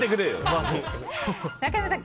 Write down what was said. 中山さん